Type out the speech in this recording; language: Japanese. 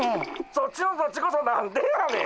そっちのそっちこそ何でやねん。